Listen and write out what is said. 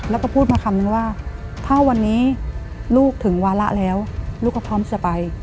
แล้วก็พูดมาคำนึงว่าถ้าวันนี้ลูกถึงวาระแล้วลูกก็พร้อมจะไป